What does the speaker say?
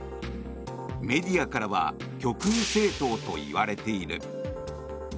メディアからは極右政党といわれている。